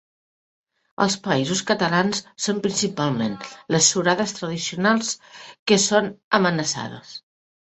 Als Països Catalans són principalment les suredes tradicionals que són amenaçades.